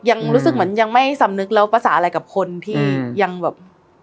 ยังรู้สึกเหมือนยังไม่สำนึกแล้วภาษาอะไรกับคนที่ยังแบบ